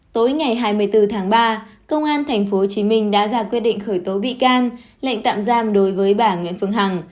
tối ngày hai mươi bốn tháng ba công an tp hcm đã ra quyết định khởi tố bị can lệnh tạm giam đối với bà nguyễn phương hằng